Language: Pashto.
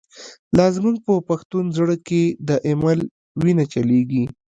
لا زمونږ په پښتون زړه کی، « د ایمل» وینه چلیږی